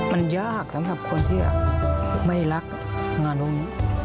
มันยากสำหรับคนที่ไม่รักงานอุ้ม